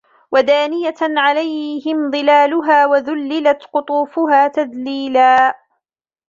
وَدَانِيَةً عَلَيْهِمْ ظِلَالُهَا وَذُلِّلَتْ قُطُوفُهَا تَذْلِيلًا